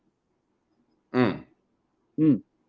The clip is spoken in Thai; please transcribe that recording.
อืม